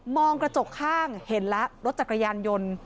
องกระจกข้างเห็นแล้วรถจักรยานยนต์